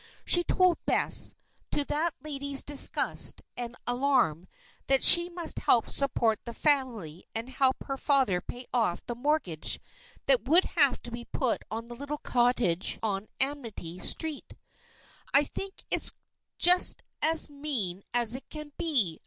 She told Bess, to that young lady's disgust and alarm, that she must help support the family and help her father pay off the mortgage that would have to be put on the little cottage on Amity Street. "I think it's just as mean as it can be!"